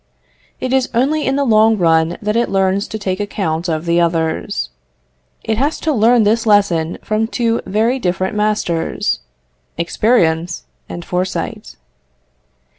It is only in the long run that it learns to take account of the others. It has to learn this lesson from two very different masters experience and foresight.